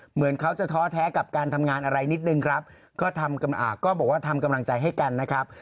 เหมือนเขาจะท้อแท้กับการทำงานอะไรนิดนึงครับก็บอกว่าทำกำลังใจให้กันนะครับ